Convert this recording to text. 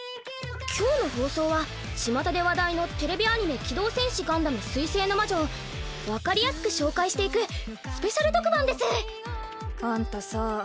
今日の放送はちまたで話題のテレビアニメ「機動戦士ガンダム水星の魔女」を分かりやすく紹介していく「スペシャル特番」ですあんたさ